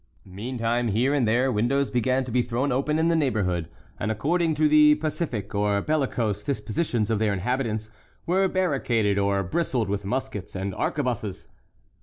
Meantime here and there windows began to be thrown open in the neighborhood, and according to the pacific or bellicose dispositions of their inhabitants, were barricaded or bristled with muskets and arquebuses.